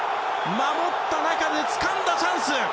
守った中でつかんだチャンス。